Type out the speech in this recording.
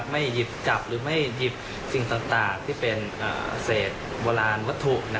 ไม่หยิบจับหรือไม่หยิบสิ่งต่างที่เป็นเศษโบราณวัตถุ